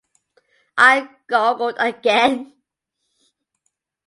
I goggled again.